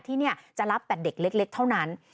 ที่นี่จะรับแต่เด็กเล็กเท่านั้น